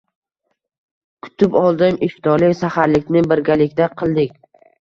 Kutib oldim, iftorlik, saxarlikni birgalikda qildik